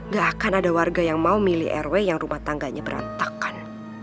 gak akan ada warga yang mau milih rw yang rumah tangganya berantakan